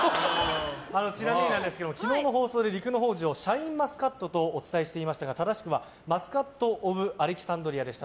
ちなみに、昨日の放送で陸乃宝珠をシャインマスカットとお伝えしていましたが正しくはマスカット・オブ・アレキサンドリアでした。